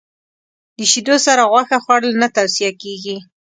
د شیدو سره غوښه خوړل نه توصیه کېږي.